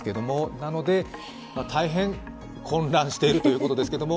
なので、大変混乱しているということですけれども。